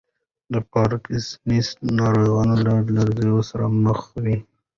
د پارکینسن ناروغان له لړزې سره مخ وي.